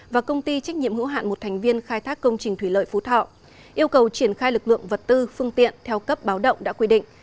và công ty trách nhiệm hữu hạn một thành viên khai thác công trình thủy lợi phú thọ yêu cầu triển khai lực lượng vật tư phương tiện theo cấp báo động đã quy định